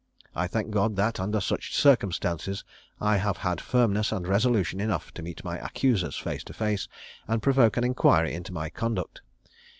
I thank God that, under such circumstances, I have had firmness and resolution enough to meet my accusers face to face, and provoke an inquiry into my conduct.